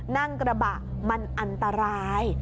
นั่งกระบะมันอันตราย